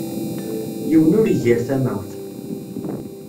Yiwen ur igir tamawt.